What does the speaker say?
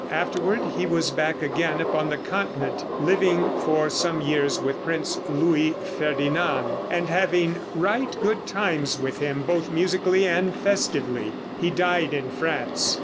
Afterward he was back again upon the continent, living for some years with Prince Louis Ferdinand, and having right good times with him, both musically and festively. He died in France.